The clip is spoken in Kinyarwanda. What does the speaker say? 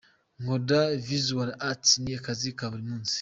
Nkora Visual arts, ni akazi ka buri munsi.